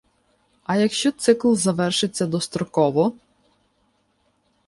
А якщо цикл завершиться достроково?